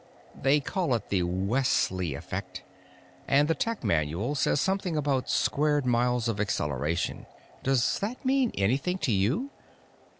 They call it the Wesley Effect, and the tech manual says something about squared miles of acceleration. Does that mean anything to you?